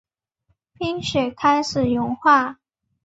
冰雪开始融化